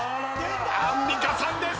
アンミカさんです！